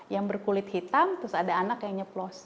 yang berkulit hitam terus ada anak yang nyeplos